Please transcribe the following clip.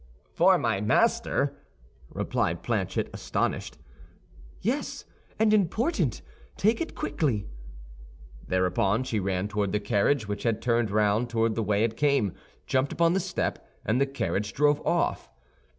"For my master?" replied Planchet, astonished. "Yes, and important. Take it quickly." Thereupon she ran toward the carriage, which had turned round toward the way it came, jumped upon the step, and the carriage drove off.